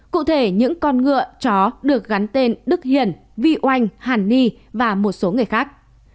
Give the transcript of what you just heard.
cụ thể những con ngựa chó được gắn tên đức hiển vi oanh hàn ni và một số người khác